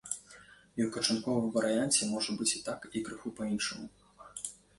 І ў канчатковым варыянце можа быць і так, і крыху па-іншаму.